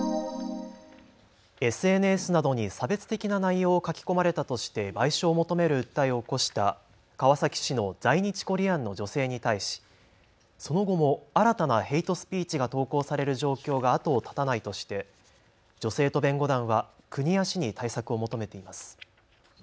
ＳＮＳなどに差別的な内容を書き込まれたとして賠償を求める訴えを起こした川崎市の在日コリアンの女性に対しその後も新たなヘイトスピーチが投稿される状況が、後を絶たないとして女性と弁護団は国や市に対策を求めています。